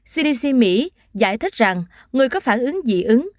cdc mỹ giải thích rằng người có phản ứng dị ứng